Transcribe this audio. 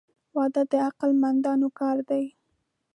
• واده د عقل مندانو کار دی.